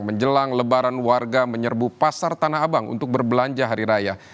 menjelang lebaran warga menyerbu pasar tanah abang untuk berbelanja hari raya